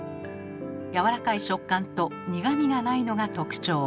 やわらかい食感と苦みがないのが特徴。